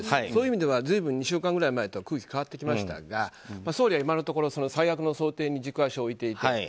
そういう意味では随分２週間くらい前と空気は変わってきましたが総理は今のところ最悪の想定に軸足を置いていて。